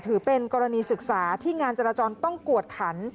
ถือเป็นกรณีศึกษาที่งานจราจรต้องกวดขัน